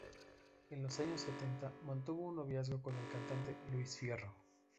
En los años setenta mantuvo un noviazgo con el cantante Luis Fierro.